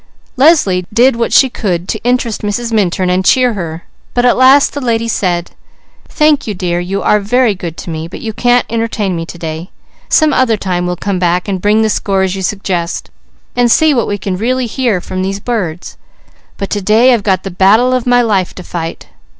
Leslie did what she could to interest Mrs. Minturn and cheer her, but at last that lady said: "Thank you dear, you are very good to me; but you can't entertain me to day. Some other time we'll come back and bring the scores you suggest, and see what we can really hear from these birds. But to day, I've got the battle of my life to fight.